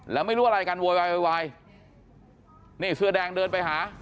แล้วไม่รู้อะไรกันโวยวายโวยวายนี่เสื้อแดงเดินไปหา